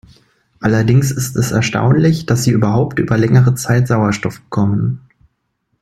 Allerdings ist es erstaunlich, dass sie überhaupt über längere Zeit Sauerstoff bekommen.